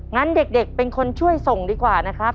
งั้นเด็กเป็นคนช่วยส่งดีกว่านะครับ